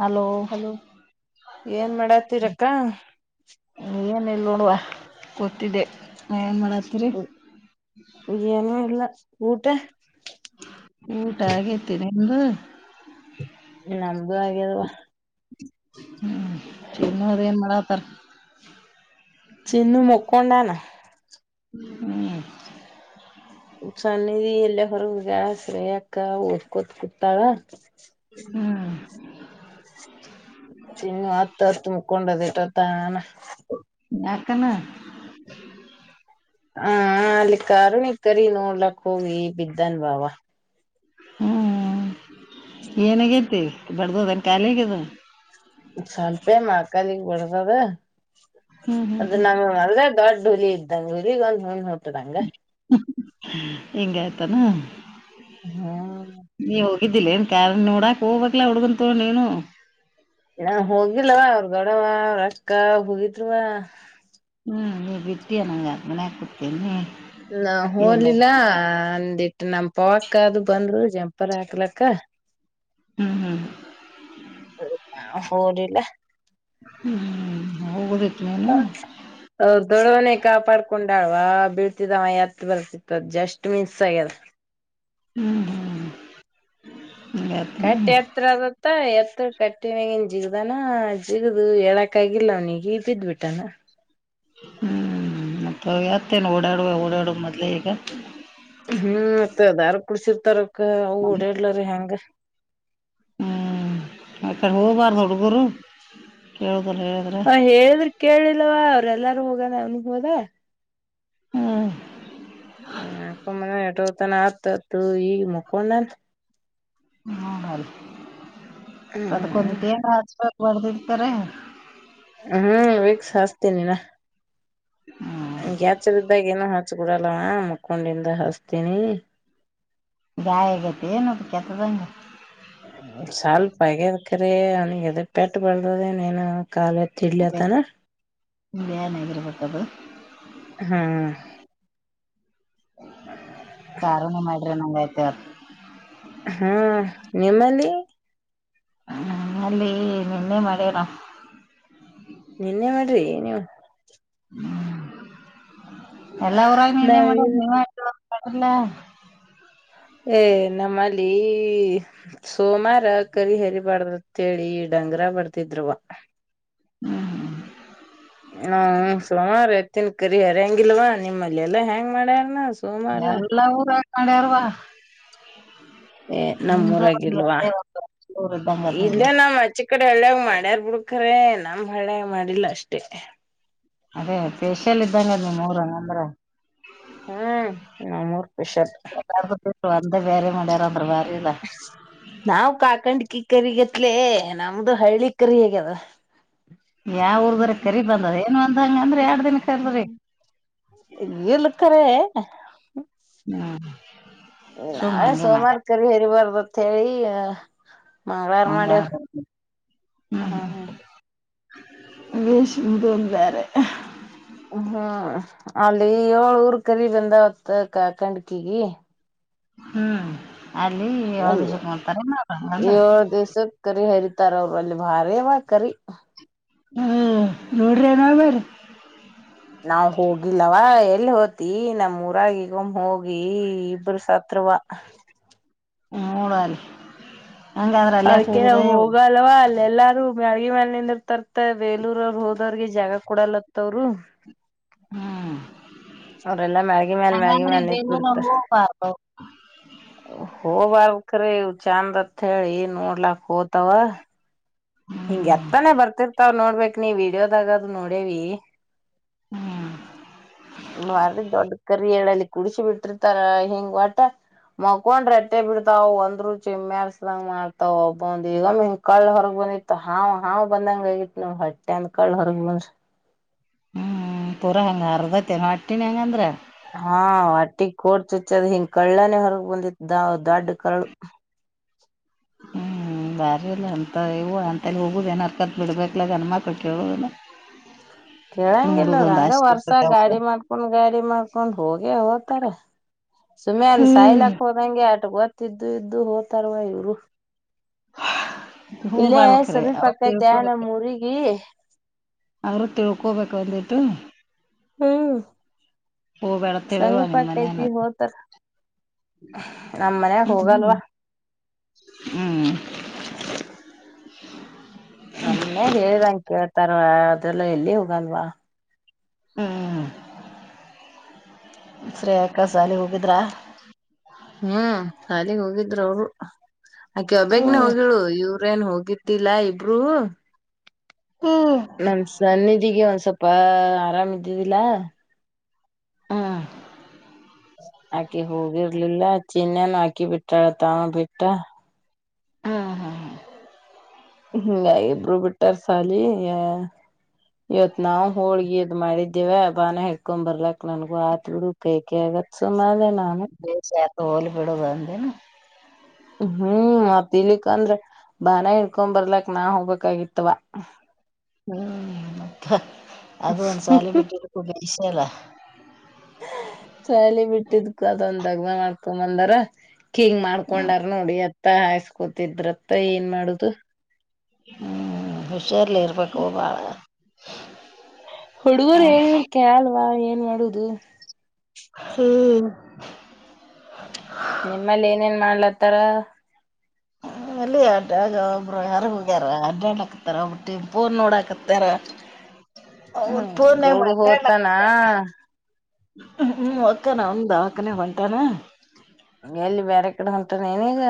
Hello ಏನ್ ಮಾಡಾತಿರಕ್ಕ ನೀ ಮೇಲೆ ನೋಡುವ ಗೊತ್ತಿದೆ ಏನಲ್ಲ ಊಟ ಊಟ ಆಗೇತಿನೆ ನಿಮ್ದು ನಮ್ದು ಹಾಗ್ಯ ಅದವಾ ಹ್ಮ್ ಚನ್ನ ಅದೇಏನ್ ಮಾಡಳತರ ಚಿನ್ನು ಮಕ್ಕೊಂಡಾನ ಹ್ಮ್ ಸನ್ನದಿ ಎಲ್ಲ ಹೊರಗಗಸ್ರಯಕ್ಕ ಓದ್ಕೋತ್ ಕುೂತಾಳ ಹ್ಮ್ ತಿನ್ನು ಹತ್ತು ಹತ್ತು ಮುಕ್ಕೊಂಡದಟ ತಾನ ನಕನ್ನು ಹಾ ಅಲ್ಲಿ ಕಾರುಣಿ ಕರಿ ನೋಡ್ಲಕ್ ಹೋಗಿ ಬಿದ್ದನ್ ಬಾವ ಹ್ಮ್ ಏನಗೇತಿ ಬಡ್ದ ಹದನ್ ಕಾಲಿಗದ ಸ್ವಲ್ಪೇ ಮಕಾಲಗ್ ಬಿಡದದ ಹ್ಮ್ ಹ್ಮ್ ಅದ ಹ್ಮ್ ನಮ ದೊಡ್ ಹುಲಿ ಇದ್ದಂಗ ಹುಲಗ್ ಒ ನೂಲ್ ನೋಟ್ಟದಂಗ ಹೆಂಗಾಯ್ತಾನ ಹ್ಮ ಇದ್ದಿಲ್ಲ ಏನ್ ಕಾರ ನೋಡಾಕ್ ಹೋಗ್ಬೇಕಲ ಹುಡ್ಗಂತ ನೀನು ನ ಹೋಗಿಲ್ಲವ ಅವ್ರ ಗಡವಾ ಅವ್ರ ಅಕ್ಕ ಹೋಗಿದವ ಹ್ಞೂ ನೀವು ಬಿಟ್ಟು ನನಗೆ ಅದ ಮನ ಹ ಕೊಡ್ತೀನಿ ನ ಹೋಲಿಲ್ಲ ಅಂದಿ ನಮ ಪವಕ್ಕ ಅದು ಬಂದರು ಜಂಪಾರ ಹಾಕ್ಲಕ್ಕ ಹ್ಮ್ ಹೋಲಿಲ್ಲ ಹ್ಮ್ ಹ್ಮ್ ಹೋಗ ಹ ಅವ್ರ ದೊಡ್ಡವನೆೇ ಕಾಪಾಡ್ಕೊಂಡ ಾಳವಾ ಬೀಳ್ತಿದಾವ ಎತ್ ಬರ್ತಿತ್ತು ಅದ್ ಜಸ್ಟ್ ಮಿನ್ಸ್ ಆಗ್ಯದ ಹ್ಮ್ ಹ್ಮ ಕಟ್ಟೆ ಎತ್ರ ಅದತ್ತ ಎ ಕಟ್ಟಿನಗನ್ ಜಿಗ್ದಾನ ಜಿಗದು ಹೇಳಕ ಆಗಿಲ್ಲ ಅವ್ನಿಗೆ ಬಿದ್ಬಿಟ್ಟಾನ ಹ್ಮ್ ಮತ್ತ ಯತ್ತೇನು ಓಡಾಡುವ ಓಡಾಡುವ ಮೊದ್ಲ ಈಗ ಹ್ಮ್ ಮತ್ತ ಅದಾರ್ ಕುಡ್ಸಿರ್ತಾರಕ್ಕ ಅವ ಓಡಾಡ್ಲರಿೀ ಹೆಂಗ ಹ್ಮ್ ಆತ ಹ ಬಾರ ೋಡ ಗುರು ಕೆ ಹ ಹೇಳಿದ್ರ ಕೇಳಿಲ್ಲವ ಅವ್ರ ಎಲ್ಲಾರೂ ಹೋಗಾನ ಅವನ್ ಹೋದ ಹ್ಮ್ ಹ್ಮ ಮ ಎಟತಾನ ಆತ ಈ ಮುಕ್ಕೊಂಡಾನ ಹನ ಅದಕ್ಕೊಂದು ಹ್ಮ್ ಮ್ರ ಆ ಬರ್ದಿರ್ತಾರೆ ಹ್ಮ್ ವೀಕ್ಸ್ ಹ್ಮ್ ಹಸ್ತೀನಿಿನ್ಯಾಚರ ಇದ್ದಾಗ ಏನೋ ಹಾ ಅಚ್ಚ ಕೂಡಲ್ಲವ ಮುಕ್ಕೊಂಡಿಂದ ಹಸ್ತೀನಿ ಗಾಯಗತ್ತ ಏನಪ್ಪ ಕೆತ್ತದಂಗಗೆ ಸ್ವಲ್ಪ ಆಗ್ಯದಕ್ರೀ ಅವನಿಿಗೆ ಅದ ಪೆಟ್ಟ ಬಳ್ದದೇನೇನು ಕಾಾಲ ಡ್ಲಿ ಅತಾನ ಇಿಯಾ ನ ಎದರು ಪಟ್ಟದು ಹಾ ಸಾರಣಿ ಮಾಡ್ರಿ ನಂಗಯ್ತ ಅವ ಹ್ಮ ನಿಮ್ಮಲ್ಲಿ ಹ ನಲ್ಲಿ ನಿನ್ನೆ ಮೆರ ನಿನ್ನೆ ಮಾಡ್ರಿ ಏ ನೀವು ಎಲ್ಲಾ ಊರಾಗ ನಿನ್ನೆ ನಾವ್ ಮಾಡ ಇವತ್ತು ನೀವ್ಯಾಕೆ ಮಾಡಿಲ್ಲ ಹ [inaudible] ಸೋಮಾರ ಕರಿಹರಿ ಬಾರ್ದತ್ ಕೇಳಿ ಡಂಗರ ಬರ್ದಿದ್ವ ಹ್ಮ್ ಹ್ಮ್ ಹ್ಮ ಸೋಮಾರತ್ತನ್ ಕರಿ ಹರಂಗಿಲ್ವಾ ನಿಮ್ಮಲ್ಲಿ ಎಲ್ಲಾ ಹೆಂಗ್ ಮಾಡ್ಯಾರನ ಸೋಮವಾರ ಎಲ್ಲ ಊರ ಹಾಕೊಂಡಾರವಾ ಏ ನಮ್ ರಗಲ್ವಾ ಒಂದು ಊರ್ ಇದ್ದಂಗ ಅದ ನಿಮ್ದು ಇಲ್ಲೇ ನಮ್ ಹಚ್ಚಿ ಕಡೆಳ್ಳೆ ಮಾಡ್ಯಾರ್ ಬಿಡ್ಕ್ರ ನಮ್ ಹಾಳೆ ಮಾಡಿಲ್ಲ ಅಷ್ಟೇ ಅದೇ ಪೇಶಿಯಲ್ ಇದ್ದಂಗ ನೀ ಮೂರ ನಂದ್ರ ಹ್ಮ್ ನ ಮೂರ್ ಫಸಲ್ ಅಂದ ಬರೆ ಮನೆಯಾರ ಅಂದ್ರ ಬಾರದಾ ನಾವ್ ಕಾಕಂಡ್ ಕಿ ಕರಿಗತ್ಲೇ ನಮ್ದು ಹಳ್ಳಿ ಕರಿ ಹೇಗ ಅದ ಯಾವ ಊರ್ದ್ರ ಕರಿ ಬಂದದ ಏನ್ ಅಂದಂಗ ಅಂದ್ರ ಎರಡ್ ದಿನ ಕರ್ದ್ರಿ ಇಲ್ಲ ಕರೆ ಹ್ಮ್ ಸುಮ್ ನಾವೆ ಹಂಗೆ ಸೋಮವಾರ ಮಾಡ್ಯಾರ ಕರಿ ಹರಿಬಾರ್ದತ್ ಹೇಳಿ ಮಂಗಳರ ಹಂಗ ಮಾಡಡ ಹ್ಮ ವಷದನ್ ಬೇರೆ ಹ್ಮ್ ಅಲ್ಲಿ ಏಳ್ ರ್ ಕರಿ ಬಂದವತ್ ಕ ಕಣ್ಕಗಿ ಹ್ಮ್ ಅಲ್ಲಿ ಅಲ್ಲ ಯಾವ್ದ ಮಾಡ್ತಾರ ಹಂಗಂದ್ರ ಏಳ್ ದಿವ್ಸಕ್ಕೆ ಕರಿ ಹರಿತಾರ ಅವರು ಅಲ್ಲಿ ಭಾರಿ ಮಾಡ ಕರಿ ಹ ರೋಡ್ರನು ಬರಿ ನಾವ್ ಹೋಗಿಲ್ಲವ ಎಲ್ ಹೋತಿ ನಮ್ ಊರಾಗಿಗೊೊಂಡ ಹೋಗಿ ಇಬರು ಸತ್ವ [inaudible] ಮೂಡ ಅರಿ ಅದಕ್ಕೆ ನಾವ್ ಹೋಗಲ್ವಾ ಅಲ್ಲ ಎಲ್ಲಾರು ಮಳ್ಗಿ ಮೇಲ್ ನಿದ ಇರ್ತರ್ತ ಬೇಲೂರ ಅವರು ಹೋದೋರಿಗೆ ಜಾಗ ಕೂಡಲತ್ತವರು ಹ್ಮ್ ಮ್ಯಾಳ್ಗಿ ಮ್ಯಾಲ್ ಮ್ಯಾಳ್ಗಿ ಮ್ಯಾಲ್ [unintelligible] ಹ [inaudible] ಹೋಬಾರಕ್ರೀ ಇ ಚಾಂದತ್ ಹೇಳಿ ನೋಡ್ಲಾಕ್ ಹೋತವ ಹಿಂಗಗೆ ಹ್ಮ್ ಅತ್ತನೇ ಬರ್ತಿರ್ತಾವ ನೋಡ್ಬೇಕ್ ನೀ ವಿಡಿಯೋದಾಗದ ನೋಡೇವಿ ಹ್ಮ್ ಒನ್ನು ಮರಲಿ ತಡ್ ಕರಿಲ್ಲಿ ಕುಡಸಿ ಬಿಟ್ಟಿರ್ತಾರ ಹೆಂಗ ಒಟ ಮಕೊಂಡ್ ರಟ್ಟೆ ಬಿಡ್ತಾವ ಒಂದ್ರು ಚಿಮ್ಮೆರ್ಸ್ದಂಗ ಮಾಡ್ತಾವ ಒಬ್ಬಂದ ಈಗ ಮಿನ್ ಕಳ್ಳ ಹೊರಗ್ ಬಂದಿ ಹಾ ಹಾವ್ ಬಂದಂಗ ಹಗಿ ನ ಹೊಟ್ಟೆ ಅಂದ ಕಳ ಹೊರ್ಗ ಹ್ಮ್ ಪೂರಾ ಹಂಗ ಅರ್ದತೆ ನ ಅಟ್ಟೀನಿ ಹೆಂಗಂದ್ರ ಹಾ ಒಟ್ಟಿಗೆ ಕೋಡ್ ಚುಚ್ಚದ್ ಹಿಂಗ ಕಳ್ಳನೇ ಹೊರಗ್ ಬಂದಿತ್ತು ದ ದೊಡ್ಡ ಕಳು [inaudible] ಹ ಹ್ಮ್ [inaudible] ದಾರಿ ಇಲ್ಲ ಅಂತ ಇವು ಅಂತೇಳಲ್ಲಿ ಹೋಗೋುದ ಏನು ಅರ್ಕತ್ ಬಿಡ್ಬೇಕಲ ಅನ್ಮ ಬಿಟ್ಟ ಹೇಳ ಕೇಳಂಗಿಲ್ಲ ಹಂಗ ವರ್ಷ ಇರ್ತೈತಿ ಅವಕ್ಕ ಗಾಡಿ ಮಾಡ್ಕೊಂಡ್ ಗಾಡಿ ಮಾಡ್ಕೊಂಡ್ ಹೋಗಿ ಹೋಗ್ತಾರ ಸುಮ್ ಅಲ್ಲಿ ಹ್ಮ್ ಸಾಯ್ಲಕ್ ಹೋದಂಗೆ ಆಟ ಓತ್ತಿದ್ದು ಇದ್ದು ಹೋ್ತಾರವಾ ಇವ್ರು ಹ ಹೋಗ್ ಇಲ್ಲೇ ಬರ್ಬೇಕ್ರಿ ಸಮೀಪ ಅಕ್ಕೈತೆ ನಮ್ [unintelligible] ಊರಿಗಿ ಅವರು ತಿಳ್ಕೋಬೇಕು ಬಂದಿತ್ತು ಹ್ಮ್ ಪೂವೆಳತಳ ಸಮೀಪ ಒಣಮನನ ಅಕ್ಕೈತಿ ಹೋತ ನಮ್ ಮನ್ಯಾಗ ಹೋಗಲ್ವಾ ಹ್ಮ್ ಹ್ಮ್ [inaudible] ನಮ್ನೆ ಹೇಳ್ದಂಗ ಕೇಳ್ತಾರ ಅದೆಲ್ಲ ಎಲ್ಲಿ ಹೋಗಲ್ವಾ [inaudible] ಸರಿ ಅಕ್ಕಸಾಲ ಹೋಗಿದ್ರ ಹ್ಮ್ ಶಾಲಗ್ ಹೋಗಿದ್ರು ಅವರು ಆಕೆ ಒಬ್ಬಗ್ನೆ ಹ್ಮ್ ಹೋಗಿಳು ಇವ್ರು ಟ್ರೇನ್ ಹೋಗಿಿದ್ದಿಲ್ಲಾ ಇಬರು ಹ್ಮ್ ನಮ ಸನ್ನಿಧಿಗೆ ಒಂದ್ ಸ್ವಲ್ಪ ಆರಾಮ ಇದ್ದಿದ್ದಿಲ್ಲ ಹಾ ಆಕಿ ಹೋಗಿರ್ಲಿಲ್ಲ ಚಿನ್ನಾನ ಆಕಿ ಬಿಟ್ಟಳ ತ ಬಿಟ್ಟ ಹ್ಮ್ ಹ್ಮ್ ಹ್ಮ ಇಬ್ರು ಬಿಟ್ಟಾರ ಸಾಲಿ ಇವತ್ ನಾವವು ಹೋಳ್ಗಿ ಇದದ್ ಮಾಡಿದ್ದೇವ ಬಾನ ಹಡ್ಕೊ್ ಬರ್ಲಕ್ ನನ್ಗು ಆತ್ ಬಿಡು ಕೈಕ ಸುಮ್ಮದ ನ ಶ ಹಲ್ ಬಿೀಡದ ಹ್ಮ್ ಮತ್ ಇಲಿಕ್ ಅಂದ್ರ ಬಾನ ಹಡ್ಕೊ ಬರ್ಲಕ್ ನಾ ಹೋಗ್ಬೇಕಾಗಿತ್ತವ ಹ್ಮ್ ಮತ್ತ ಅದು ಒಂದ್ಸಾಲೆ ಬಿಟ್ಟ ಬಷ ಅಲ್ಲ ಚಳಿ ಬಿಟ್ಟಿದ್ಕ ಅದೊಂದ್ ದಗ್್ಮ ಮಾಡ್ಕೊಂಬಂದಾರ ಹಿಂಗ್ ಮಾಡ್ಕೊಂಡಾರ್ ನೋಡಿ ಅತ್ತ ಹಯಸ್ಕೊತಿದ್ರತ್ತ ಏನ್ ಮಾಡುದು ಹ್ಮ್ ಹುಷಾರ್ಲಿ ಇರ್ಬೇಕು ಬಾಳ ಹುಡುಗರು ಹೇಳಿದ್ರಕ್ಕೆ ಅಲ್ವಾ ಏನ್ ಮಾಡುದು ಹ್ಮ್ ನಿಮ್ಮಲ್ಲಿ ಏನೇನ್ ಮಾಡ್ಲತ್ತಾರ ಅಲ್ಲಿ ಅಡ್ಡಗ ಒಬ್ರು ಯಾರ್ ಹೋಗ್ಯಾರ ಅಡ್ಡಾಡ್ಾಕಕ್ತಾರ ಒಬ್ಬ ಟ ಪೂನ್ ನೋಡಾಕತ್ತಾರ ಹ ಹ್ಮ ಪೂ ಗೌಡು ಮತ ಹೋತಾನ ಹ್ಮ್ ಒಕ್ಕಾನ ಒಂದಾ ಹಕ್ಕನ ಬಟಾನೆ ಎಲ್ಲಿ ಬೇರೆ ಕಡೆ ಹೊಂಟಾನ ನೀನಗ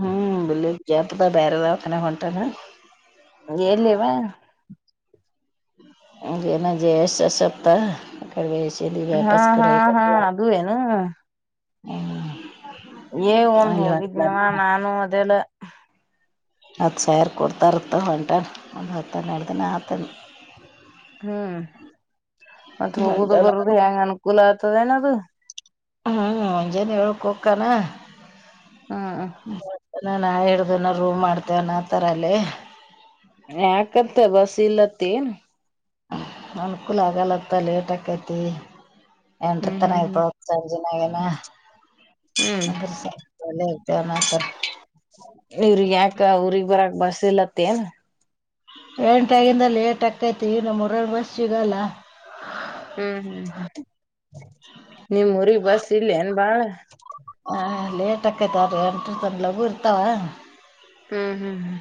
ಹ್ಮ್ ಬಲ್ಲ ಜೆಪದ ಬೇರೆದ ಒತನೆ ಹೊಂಟ ಎಲ್ಲಿವಾ [unintelligible] ಹಾ ಹಾ ಹಾ ಅದು ಏನೂ ಹ್ಮ ಏ ಒನ್ ಹೋಗಿದ್ನವ ನಾನು ಅದೆಲ್ಲ ಹತ್ತು ಸಾರ ಕೊಡ್ತಾ ಇರ್ತ ಹೊಂಟ ಒಂದು ಹತ್ತಂದು ಹೇಳ್ದಿನ ಆತಂದು ಹ್ಮ್ ಮತ್ತ್ ಹೋಗುದು ಹೊಂಟಾನ ಬರದು ಹೆಂಗ ಅನುಕೂಲ ಆತದ ಏನದು ಹ್ಮ್ ಮುಂಜಾನ ಹೇಳುಕೋಕ್ಕಾನ ಹಾ ನಾ ಹಿಡ್ದನ ರೂ್ ಮಾಡ್ತೇವನ್ ಆನಾತರಲ್ಲಿ ಯಾಕತ್ ಬಸ್ ಇಲ್ಲತ್ತೇನ್ ಅನ್ಕೂಲ್ ಆಗಲ್ಲತ್ತ ಲೇಟ್ ಆಕೈತಿ ಎಂಟ್ರ ಹ್ಮ್ ತನ ಹ್ಮ್ ಐತ ಹ್ಮ್ ಹ್ಮ್ [unintelligible] ಇವ್ರಿಗೆ ಯಾಕ ಊರಿಗ್ ಬರಕ್ ಬಸ್ ಇಲ್ಲತೆನ್ ಎಂಟಾಗಿಿಂದ ಲೇ ಟಕ್ಕೈತಿ ಇ ನ ರಡ್ ಬಸ್ ಸಿಗಲ್ಲ ಹ್ಮ್ ಹ್ಮ್ ಹ್ಮ್ ನಿಮ್ ಊರಿಗ್ ಬಸ್ ಇಲ್ಲ ಏನ್ ಬಾಳ ಹ ಲೇಟ್ ಆಕೈತ್ ಅ್ರಿ ಎಂಟ್ರ ತಂದ ಲಗು ಇರ್ತಾವ ಹ್ಮ್ ಹ್ಮ್ ಹ್ಮ್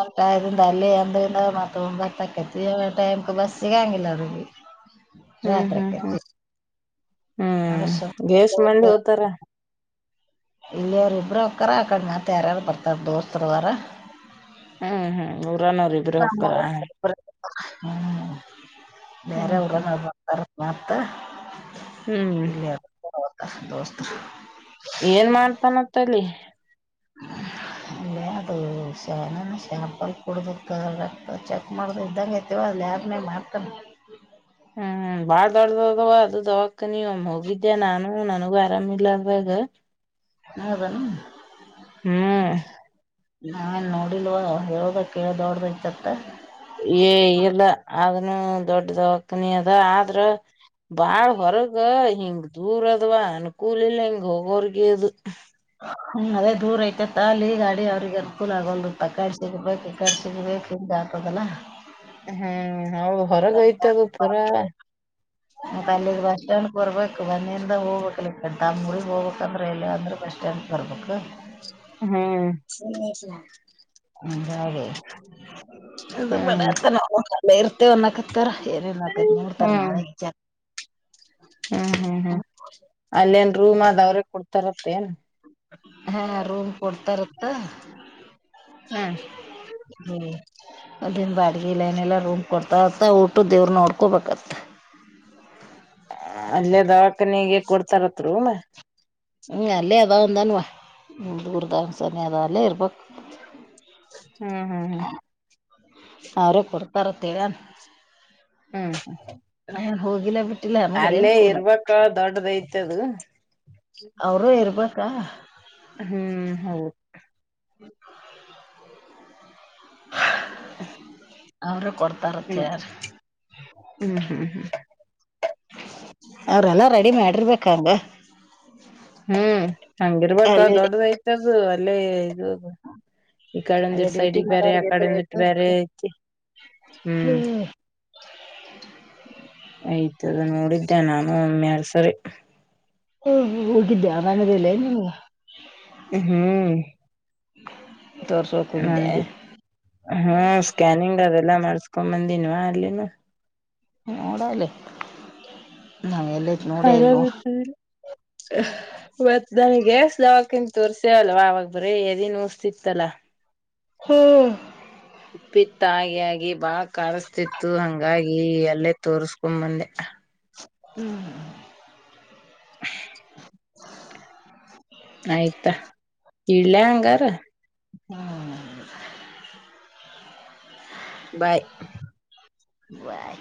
ಂಟ ಇದಿಂದ ಅಲ್ಲಿ ಎಂದ ಮತ್ತ ಬರ್ತಕೇತಿ ಟೈಮ ಬಸ್ ಸಿಗಂಗಿಲ್ಲರಿಗೆ ಹ್ಮ್ ಹ್ಮ್ ಹ್ಮ್ [inaudible] ಹ್ಮ್ ಏಸ್ ಮಂದ್ ಅದ್ರ ಹೋತಾರ ಇಲ್ಲಿವರು ಇಬ್ರು ಅಕ್ಕರ ಅಕಡೆ ಮತ ಯಾರಾರ ಬರ್ತಾರ ದೋಸ್ತರುವಾರ ಹ್ಮ್ ಹ್ಮ್ ಊರ ನರಿಬ್ರ ಹೋಗಕ ಹ್ಮ್ ಬೇರೆ ಹ್ಮ್ ಊರನರ್ ಬರ್ತಾರಂತ್ ಮತ್ತ ಹ್ಮ್ ಇಲ್ಲೇ ಬರ್ತಾರ ದೋಸ್ತರು [inaudible] ಏನ್ ಮಾಡ್ತಾನಂತಲಿ [inaudible] ಅಲ್ಲೇ ಅದು ಸನಾನ ಶ್ಯಾಂಪಲ್ ಕುಡಬೇಕ ರಕ್ತ ಚೆಕ್ ಮಾಡ್ದ ಇದ್ದಂಗತಿೀವ ಅ ಲಲೆರ್ನೆ ಮಾಡಾತನ [inaudible] ಹ್ಮ್ ಬಾಳ್ ದೊಡ್ಡ್ದದವ ಅದು ದವಕನೀ ಹೋಗಿದ್ಯಾ ನಾನು ನನಗೂ ಆರಾಮಿಲ್ಲ ಅ ಹಾ ಹೌದ ಹ್ಮ್ ನಾನ್ ನೋಡಿಲ್ವ ಹೇಳೋದ ಕೇಳ ದೊಡಬೇಕತ್ತತ್ತ ಏ ಇಲ್ಲ ಅದನು ದೊಡ್ಡದ ಹತನಿ ಅದ ಆದ್ರ ಬಾಳ ಹೊರಗ ಹಿಂಗ ದೂರ ಅದ್ವಾ ಅನ್ಕೂಲ ಇಲ್ಲ ಹಿಂಗ ಹೋಗೋರ್ಗದು ಹ್ಮ್ ಅದೇ ದೂರ ಐತೆತ್ತಲ್ಲಿ ಈಗ ಗಾಡಿ ಅವ್ರಿಗೆ ಅನುಕೂಲ ಆಗಲ್ ಪ ಕಾಡ್ ಸಿಗ್ಬೇಕು ಕಾಡ್ ಸಿಗ್ಬೇಕು. [unintelligible] ಹ್ಮ್ ಹ ಹೊರಗೈತದು ಪೂರಾವ ಮತ್ತು ಅಲ್ಲಿಗೆ ಬಸ್ ಸ್ಟ್ಯಾಂಡ್ಗೆ ಬರ್ಬೇಕು ಮಂದಿಂದ ಹೋಗ್ಬೇಕಕ್ ತಮ್ಮ ಮುಗಗ್ ಹೋಗ್ಬೇಕಂದ್ರೆ ಎಲ್ಲಿ ಅಂದ್ರೆ ಬಸ್ ಬರ್ಬೇಕು ಹ್ಮ್ [inaudible] [unintelligible] ಹ್ಮ್ ಮತ್ತ ಒ ಕತ್ತ ಕತ್ ನೋಡ್ತಾರ ನಾಳೆಕ್ ಜಾ ಹ್ಮ್ ಹ್ಮ್ ಹ್ಮ್ ಅಲ್ಲೇನ್ ರೂಮ್ ಆದ ಅವ್ರೆ ಕೊಡ್ತಾರತ್ತೇ ಏನು ಹಾ ರೂಮ್ ಕೊಡ್ತಾರತ್ತ ಹ್ಮ ಅದನ್ ಬಾಡಿಗೆ ಲೈನೆಲ್ಲಾ ರೂಮ್ ಕೊಡ್ತರಂತ್ ಊಟುದ್ ಇವ್ರ ನೋಡ್ಕೋಬೇಕತ್ತ ಅಲ್ಲೇ ದವಾಖಾನೆಗೆ ಕೊಡ್ತಾರತ್ರ ರೂಮ ಹ್ಮ್ ಅಲ್ಲೇ ಅಂದಾನವಾ್ಮ ದೂರದಂಗ ಸಾನ ಅ ಅಲ್ಲೇ ಇರ್ಬಕ್ ಹ್ಮ್ ಹ್ಮ್ ಹ್ಮ ಅವ್ರೇ ಕೊಡ್ತಾರತ್ತೇರ ಹ್ಮ್ ಹ ಹೋಗಿಲ್ಲ ಬಿಟ್ಟು ಇಲ್ಲಮಗ್ರೇನ್ ಕೂನ ದೊಡ್ಡದೈತಿ ಅದು ಅವರುೂ ಇರ್ಬೇಕಾ ಹ್ಮ್ ಹೌದು [inaudible] [unintelligible] ಅವ್ರ ಹ್ಮ್ ಕೊಡ್ತಾರತಾರ ಹ್ಮ್ ಹ್ಮ್ ಹ್ಮ್ ಅವ್ರೆಲ್ಲ ರೆಡಿ ಮಾಡಿರ್ಬೇಕಂಗ ಹ್ಮ್ ಹಂಗಿರ್ಬೇಕ ಅಲ್ಲೇ ದೊಡ್ಡದಐತದು ಅಲ್ಲೇ ಈ ಅದೇ ಕಡಂದಿಟ್ಟ ಡ್ಯೂಟಿ ಸೈಡ್ಿಗೆ ಬೇರೆ ಆ ಕಡಂದುಿಟ್ಟು ಬೇರೆ ಹ್ಮ್ ಆಯ್ತದು ನೋಡಿದ್ದೆ ನಾನು ಒಮ್ಮ್ಯಾರ್ ಸರಿ ಹ ಹೋಗಿದ್ದ ಅರಾಮ್ ಇಲ್ಲೆನಾ ನಿಮ್ಗೆ ಹ್ಮ್ ಹ್ಮ ಹ್ಮ ಹ್ಮ ಸ್ಕ್ಯನಿಂಗ್ ಅದ ಎಲ್ಲ ಮಾಡಸ್ಕೊಂಡ್ ಬಂದಿನ್ವಾ ಅಲ್ಲಿನು ಹ ಓಡಲ್ಲೇ ಹರಾಮ [unintelligible] ನನಗೆಸಾವಕಿಂತ ತೋರ್ಸ್ಯವಲ್ವ ಅವಾಗ ಬ್ರೀ ಎದನ್ ಉಸ್ತಿತ್ತಲ್ಲ ಹ್ಮ್ ತಾಗಿ ಆಾಗಿಿ ಬಾ ಕಾಣಿಸ್ತಿತ್ತು ಹಂಗಾಗಿ ಅಲ್ಲೇ ತೋಸ್ಕೊ್ಂಬಂದೆ ಹ್ಮ್ ಹ್ಮ್ [unintelligible] ಆಯ್ತಾ ಇಡ್ಲ್ಯ ಹಂಗಾರ ಹ್ಮ್ ಬೈ ಬಾಯ್